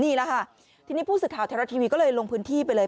นี่แหละค่ะทีนี้ผู้สื่อข่าวไทยรัฐทีวีก็เลยลงพื้นที่ไปเลย